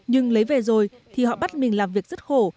nhưng lấy về rồi thì họ bắt mình làm việc rất khổ